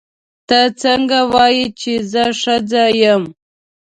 ته څنګه وایې چې زه ښځه یم.